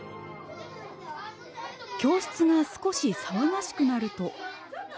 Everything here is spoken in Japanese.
教室が少し騒がしくなると。